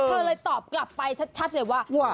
เธอเลยตอบกลับไปชัดเลยว่า